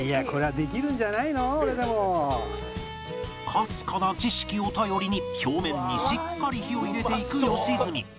かすかな知識を頼りに表面にしっかり火を入れていく良純